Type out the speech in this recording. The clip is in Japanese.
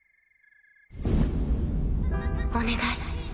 お願い